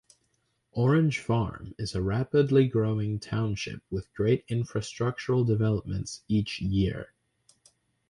Orange Farm is a rapidly growing township with great infrastructural developments each year.